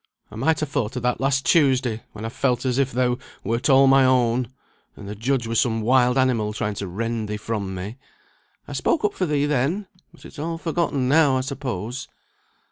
I might have thought of that last Tuesday, when I felt as if thou wert all my own, and the judge were some wild animal trying to rend thee from me. I spoke up for thee then; but it's all forgotten now, I suppose."